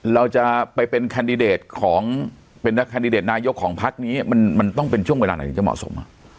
เราจะไปเป็นแคนดิเดตของเป็นนักแคนดิเดตนายกของพักนี้มันต้องเป็นช่วงเวลาไหนถึงจะเหมาะสม